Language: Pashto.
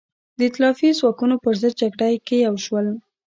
د ایتلافي ځواکونو پر ضد جګړه کې یو شول.